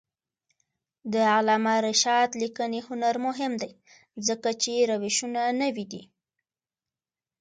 د علامه رشاد لیکنی هنر مهم دی ځکه چې روشونه نوي دي.